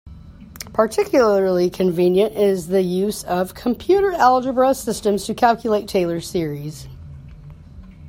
Particularly convenient is the use of computer algebra systems to calculate Taylor series.